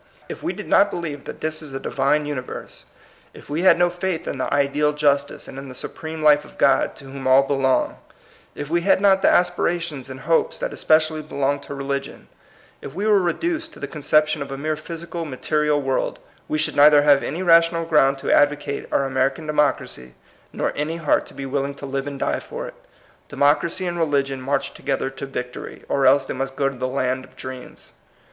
If we did not believe that this is a Divine universe; if we had no faith in the ideal justice and in the supreme life of God to whom all belong ; if we had not the aspirations and hopes that especially belong to religion; if we were reduced to the conception of a mere physical, material world, — we should neither have any ra tional ground to advocate our American democracy, nor any heart to be willing to live and die for it. Democracy and reli gion march together to victory, or else they must go to the land of dreams.